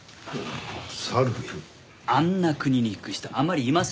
あんな国に行く人あまりいませんからね。